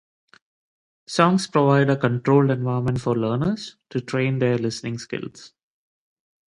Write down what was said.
Songs provide a controlled environment for learners to train their listening skills.